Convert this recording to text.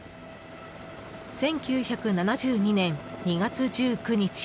１９７２年２月１９日。